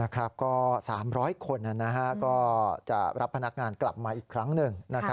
ก็๓๐๐คนก็จะรับพนักงานกลับมาอีกครั้งหนึ่ง